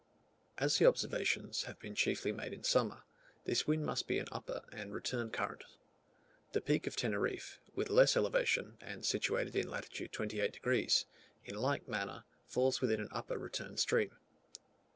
As the observations have been chiefly made in summer, this wind must be an upper and return current. The Peak of Teneriffe, with a less elevation, and situated in lat. 28 degs., in like manner falls within an upper return stream.